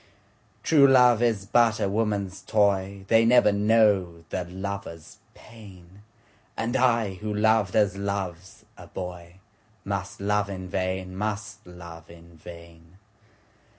True love is but a woman's toy, They never know the lover's pain, And I who loved as loves a boyMust love in vain, must love in vain.